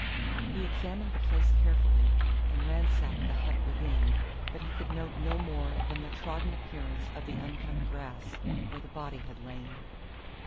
He examined the place carefully, and ransacked the hut within, but he could note no more than the trodden appearance of the uncut grass where the body had lain.